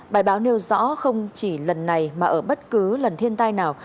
bài báo nêu rõ không chỉ lần này mà ở bất cứ lần thiên tai nào